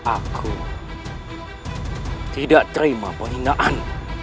aku tidak terima pahinaan